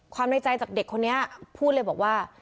ในใจจากเด็กคนนี้พูดเลยบอกว่า